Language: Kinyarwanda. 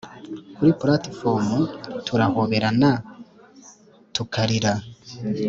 kuri platifomu turahoberana tukarira .